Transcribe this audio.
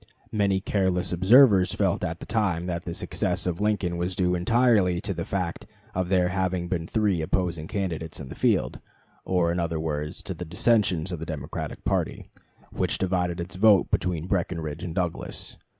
Many careless observers felt at the time that the success of Lincoln was due entirely to the fact of there having been three opposing candidates in the field; or, in other words, to the dissensions in the Democratic party, which divided its vote between Breckinridge and Douglas.